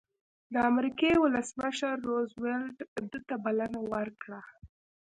د امریکې ولسمشر روز وېلټ ده ته بلنه ورکړه.